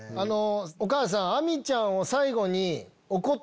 お母さん！